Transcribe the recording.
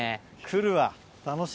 来るわ。